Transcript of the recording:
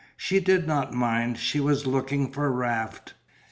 She did not mind, she was looking for Raft.